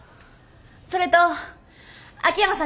それと秋山さん